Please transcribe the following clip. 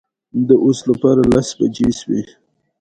ازادي راډیو د د بشري حقونو نقض موضوع تر پوښښ لاندې راوستې.